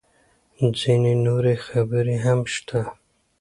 _ځينې نورې خبرې هم شته.